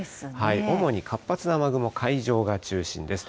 主に活発な雨雲、海上が中心です。